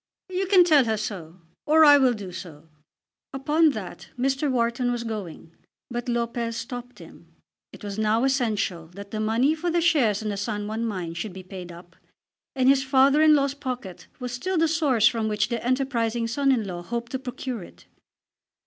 "You can tell her so; or I will do so." Upon that Mr. Wharton was going, but Lopez stopped him. It was now essential that the money for the shares in the San Juan mine should be paid up, and his father in law's pocket was still the source from which the enterprising son in law hoped to procure it.